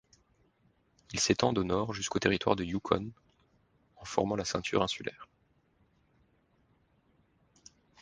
Ils s'étendent au nord jusqu'au Territoire du Yukon en formant la ceinture Insulaire.